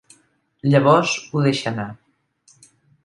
Llavors ho deixa anar.